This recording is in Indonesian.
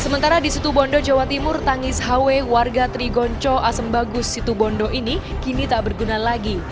sementara di situbondo jawa timur tangis hawe warga trigonco asembagus situbondo ini kini tak berguna lagi